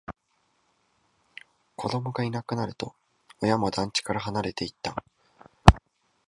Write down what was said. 子供がいなくなると、親も団地から離れていった